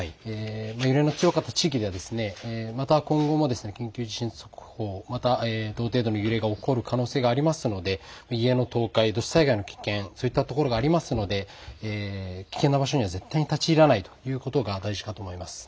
揺れの強かった地域では今後も緊急地震速報、また同程度の揺れが起こる可能性がありますので家の倒壊、土砂災害の危険、そういったところがありますので、危険な場所には絶対に立ち入らないということが大事かと思います。